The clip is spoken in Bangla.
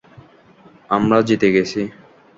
আমরা জিতে গেছি!